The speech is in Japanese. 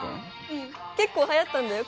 うん結構はやったんだよ